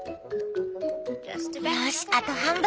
よしあと半分！